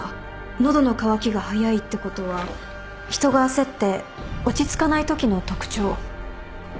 喉の渇きが早いってことは人が焦って落ち着かないときの特徴。